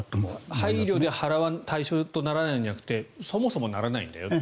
配慮で対象とならないんじゃなくてそもそもならないんだよという。